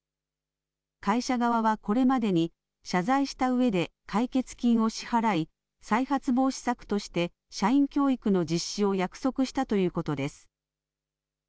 会社側はこれまでに謝罪したうえで解決金を支払い、再発防止策として社員教育の実施を約束したということです。